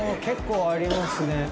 結構ありますね。